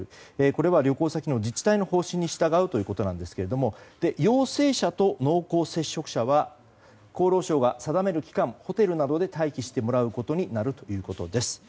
これは旅行先の自治体の方針に従うということですが陽性者と濃厚接触者は厚労省が定める期間ホテルなどで待機してもらうことになるということです。